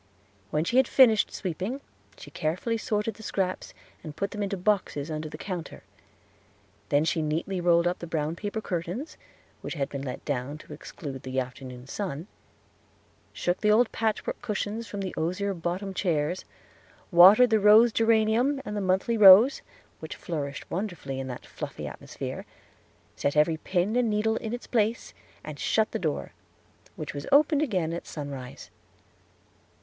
When she had finished sweeping she carefully sorted the scraps, and put them into boxes under the counter; then she neatly rolled up the brown paper curtains, which had been let down to exclude the afternoon sun; shook the old patchwork cushions in the osier bottomed chairs; watered the rose geranium and the monthly rose, which flourished wonderfully in that fluffy atmosphere; set every pin and needle in its place, and shut the door, which was opened again at sunrise.